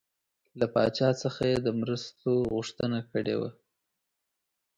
له پاچا څخه یې د مرستو غوښتنه کړې وه.